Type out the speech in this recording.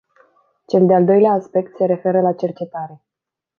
Cel de-al doilea aspect se referă la cercetare.